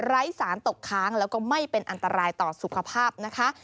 สารตกค้างแล้วก็ไม่เป็นอันตรายต่อสุขภาพนะคะ